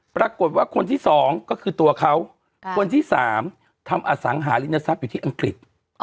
ปรากฏว่าคนที่๒ก็คือตัวเขาคนที่๓ทำอสังหารินทรัพย์อยู่ที่อังกฤษ